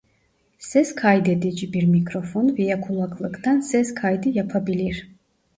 Ses Kaydedici bir mikrofon veya kulaklıktan ses kaydı yapabilir.